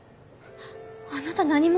あなた何者？